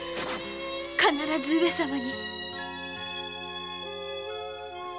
必ず上様に